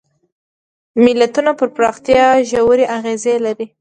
ملتونو پر پراختیا ژورې اغېزې وښندلې.